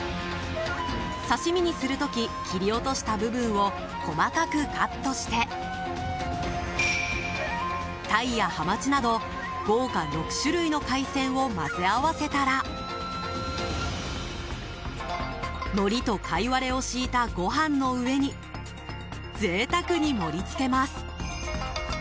刺し身にする時切り落とした部分を細かくカットしてタイやハマチなど豪華６種類の海鮮を混ぜ合わせたらのりとカイワレを敷いたご飯の上に贅沢に盛り付けます。